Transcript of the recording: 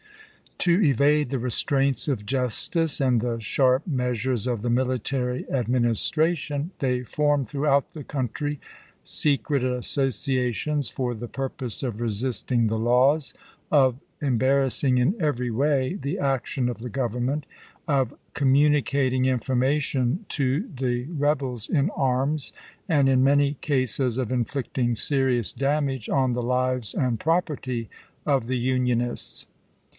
To evade the restraints of justice and the sharp measures of the military administration, they formed throughout the country secret associations for the purpose of resisting the laws, of embarrass ing in every way the action of the Government., of communicating information to the rebels in arms, and in many cases of inflicting serious dam age on the lives and property of the Unionists.